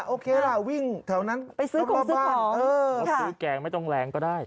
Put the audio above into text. โอเคล่ะวิ่งแถวนั้นไปซื้อข้าวบ้านมาซื้อแกงไม่ต้องแรงก็ได้